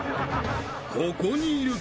［ここにいる］